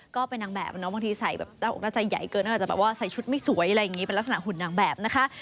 ก็เป็นนางแบบเนอะบางทีใส่ตั้งแต่ออกหน้าใจใหญ่เกินอาจจะใส่ชุดไม่สวยเป็นลักษณะหุ่นนางแบบนะคะ